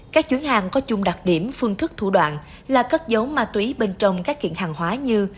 các chuyến hàng có chung đặc điểm phương thức thủ đoạn là cất dấu ma túy bên trong các kiện hàng hóa như